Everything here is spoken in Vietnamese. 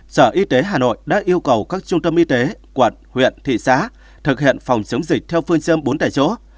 sở y tế hà nội đã yêu cầu các trung tâm y tế quận huyện thị xã thực hiện phòng chống dịch theo phương châm bốn tại chỗ